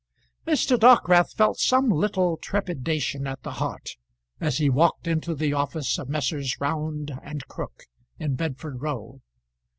Mr. Dockwrath felt some little trepidation at the heart as he walked into the office of Messrs. Round and Crook in Bedford Row.